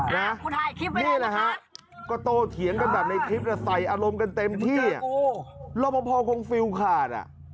นะนี่แหละฮะก็โตเถียงกันแบบในคลิปแล้วใส่อารมณ์กันเต็มที่แล้วพ่อคงฟิวขาด